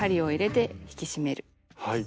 はい。